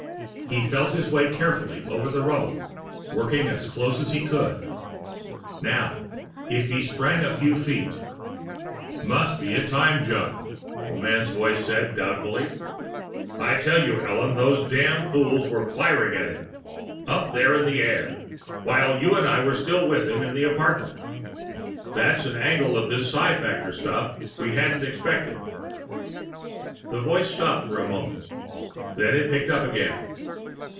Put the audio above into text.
He felt his way carefully over the rubble, working as close as he could. Now, if he sprang the few feet.... "... must be a time jump," the man's voice said, doubtfully. "I tell you, Ellen, those damned fools were firing at him, up there in the air, while you were still with him in the apartment. That's an angle on this psi factor stuff we hadn't expected." The voice stopped for a moment. Then it picked up again.